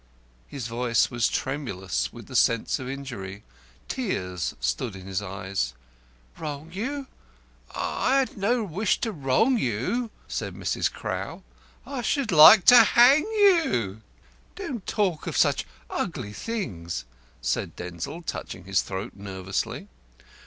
His voice was tremulous with the sense of injury. Tears stood in his eyes. "Wrong you? I've no wish to wrong you," said Mrs. Crowl. "I should like to hang you." "Don't talk of such ugly things," said Denzil, touching his throat nervously.